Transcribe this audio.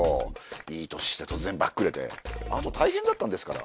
いい年して突然ばっくれて後大変だったんですから。